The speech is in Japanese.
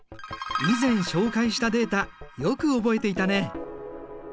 以前紹介したデータよく覚えていたね。